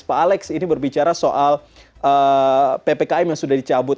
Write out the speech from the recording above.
pak alex ini berbicara soal ppkm yang sudah dicabut